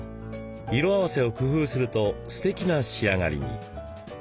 色合わせを工夫するとすてきな仕上がりに。